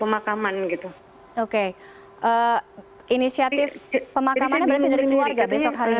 pemakaman berarti dari keluarga besok hari ini